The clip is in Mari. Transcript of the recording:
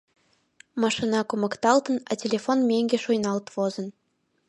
Машина кумыкталтын, а телефон меҥге шуйналт возын...